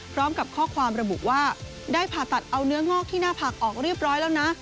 พร้อมกับข้อความระบุว่าได้ผ่าตัดเอาเนื้องอกที่หน้าผักออกเรียบร้อยแล้วนะ